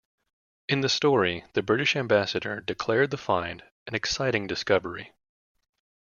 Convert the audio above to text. In the story, the British Ambassador declared the find "an exciting discovery".